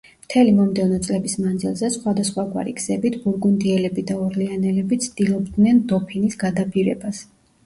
მთელი მომდევნო წლების მანძილზე, სხვადასხვაგვარი გზებით, ბურგუნდიელები და ორლეანელები, ცდილობდნენ დოფინის გადაბირებას.